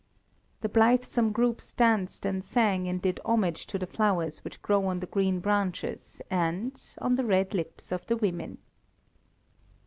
The blithesome groups danced and sang and did homage to the flowers which grow on the green branches and on the red lips of the women.